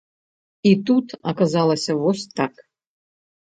І тут аказалася вось так.